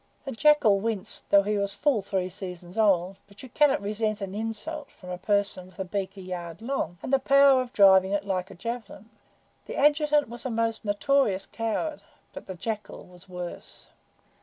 The Jackal winced, though he was full three seasons old, but you cannot resent an insult from a person with a beak a yard long, and the power of driving it like a javelin. The Adjutant was a most notorious coward, but the Jackal was worse.